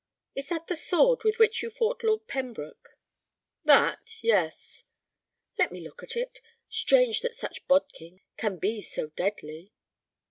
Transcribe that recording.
"Is that the sword with which you fought Lord Pembroke?" "That? Yes." "Let me look at it. Strange that such bodkin can be so deadly."